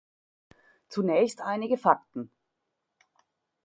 Zunächst einige Fakten.